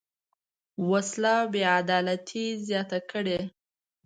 وسله بېعدالتي زیاته کړې